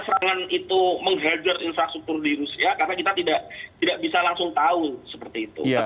serangan itu menghajar infrastruktur di rusia karena kita tidak bisa langsung tahu seperti itu